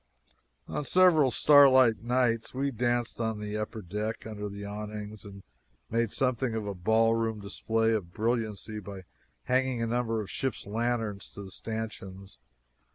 On several starlight nights we danced on the upper deck, under the awnings, and made something of a ball room display of brilliancy by hanging a number of ship's lanterns to the stanchions.